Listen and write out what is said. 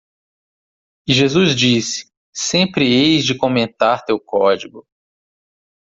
E Jesus disse, Sempre eis de comentar teu código.